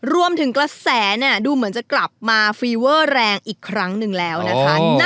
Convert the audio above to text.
รวมถึงกระแสดูเหมือนจะกลับมาฟีเวอร์แรงอีกครั้งหนึ่งแล้วนะคะ